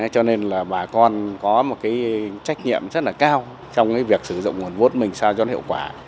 cho nên là bà con có một cái trách nhiệm rất là cao trong cái việc sử dụng nguồn vốn mình sao cho nó hiệu quả